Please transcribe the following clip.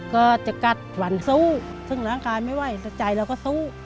ก็จะกัดหวั่นสู้ซึ่งร่างกายไม่ไหวแต่ใจเราก็สู้